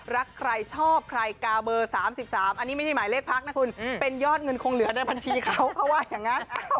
ลักใครชอบใครกาเบอร์๓๓อันนี้ไม่ได้หมายเลขพักนะคุณเป็นยอดเงินคงเหลือในบัญชีเขา